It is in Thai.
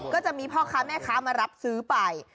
ก็จะมีพ่อค้าแม่ค้ามารับซื้อไป